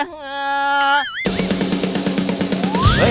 เฮ้ยจ้า